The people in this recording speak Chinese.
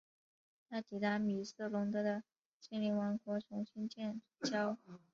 他抵达米斯龙德的精灵王国重新建交。